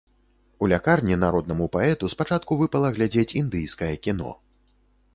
У лякарні народнаму паэту спачатку выпала глядзець індыйскае кіно.